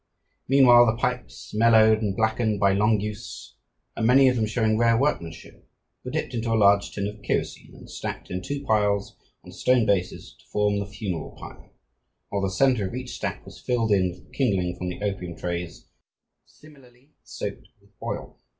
Meanwhile the pipes, mellowed and blackened by long use and many of them showing rare workmanship, were dipped into a large tin of kerosine and stacked in two piles on stone bases, to form the funeral pyre, while the center of each stack was filled in with kindling from the opium trays, similarly soaked with oil.